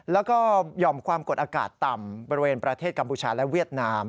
แล้วก็หย่อมความกดอากาศต่ำบริเวณประเทศกัมพูชาและเวียดนาม